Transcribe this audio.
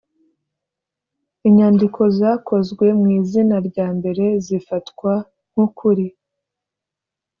inyandiko zakozwe mu izina rya mbere zifatwa nkukuri.